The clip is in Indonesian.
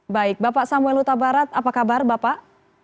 baik bapak samuel hutabarat apa kabar bapak